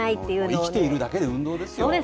生きているだけで運動ですよね。